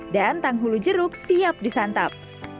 dan tanghulu jeruk siap disantap